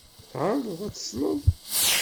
Tɛerḍeḍ ad as-tesleḍ?